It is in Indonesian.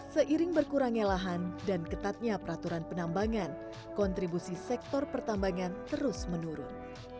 seiring berkurangnya lahan dan ketatnya peraturan penambangan kontribusi sektor pertambangan terus menurun